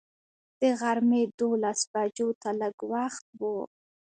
د غرمې دولس بجو ته لږ وخت و.